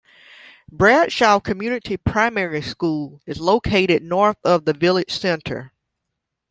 Bradshaw Community Primary School is located north of the village centre.